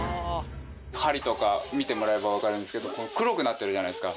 梁とか見てもらえばわかるんですけど黒くなってるじゃないですか。